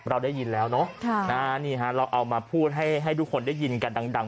เราได้ยินแล้วเนอะนี่ฮะเราเอามาพูดให้ทุกคนได้ยินกันดัง